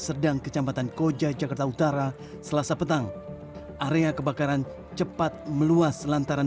serdang kecamatan koja jakarta utara selasa petang area kebakaran cepat meluas lantaran